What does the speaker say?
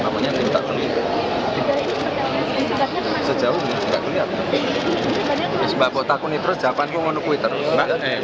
mbak kok takut nih terus jawabanku ngelukui terus